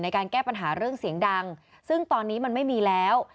แก้ปัญหาเรื่องเสียงดังซึ่งตอนนี้มันไม่มีแล้ว